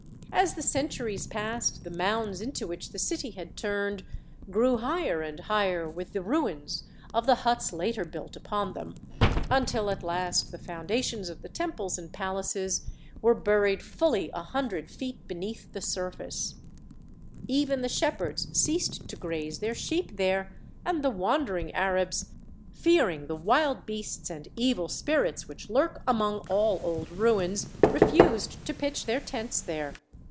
As the centuries passed the mounds into which the city had turned grew higher and higher with the ruins of the huts later 5 66 THE SEyEN WONDERS built upon them, until at last the foundations of the temples and palaces were buried fully a hund red feet beneath the surface. Even the shepherds ceased to graze their sheep? there, and the wander ing Arabs, fearing the wild beasts and evil spirits which lurk among all old ruins, refused to pitch their tents there.